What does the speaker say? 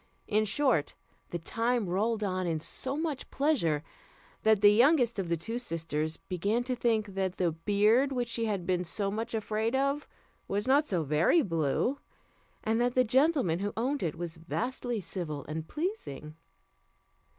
In short, the time rolled on in so much pleasure, that the youngest of the two sisters began to think that the beard which she had been so much afraid of, was not so very blue, and that the gentleman who owned it was vastly civil and pleasing.